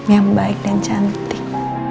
yang baik dan cantik